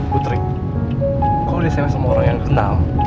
putri kok lo disemes sama orang yang kenal